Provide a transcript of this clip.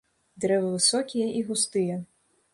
Дрэвы высокія і густыя.